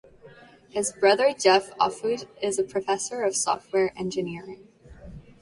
His brother Jeff Offutt is a professor of software engineering.